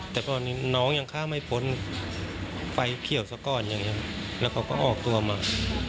แต่ตอนนี้น้องยังข้ามไม่พ้นไฟเขียวซะก่อนอย่างนี้แล้วเขาก็ออกตัวมา